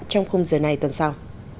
trong khung giờ này tuần sau